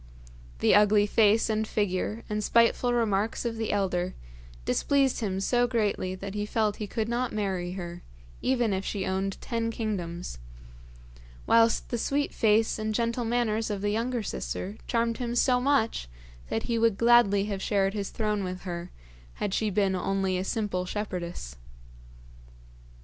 The ugly face and figure and spiteful remarks of the elder displeased him so greatly that he felt he could not marry her even if she owned ten kingdoms, whilst the sweet face and gentle manners of the younger sister charmed him so much that he would gladly have shared his throne with her had she been only a simple shepherdess.